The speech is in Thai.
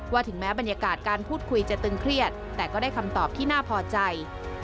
ถึงแม้บรรยากาศการพูดคุยจะตึงเครียดแต่ก็ได้คำตอบที่น่าพอใจ